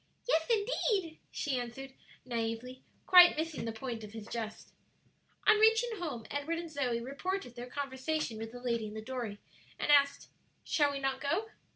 "Yes, indeed," she answered, naïvely, quite missing the point of his jest. On reaching home Edward and Zoe reported their conversation with the lady in the dory, and asked, "Shall we not go?"